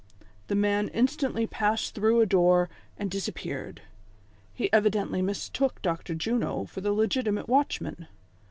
The man instantly passed through a door, and disap peared. He evidently mistook Dr. Juno for the legitimate watchman.